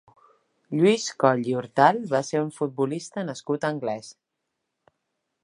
Lluís Coll i Hortal va ser un futbolista nascut a Anglès.